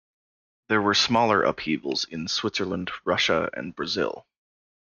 There were smaller upheavals in Switzerland, Russia, and Brazil.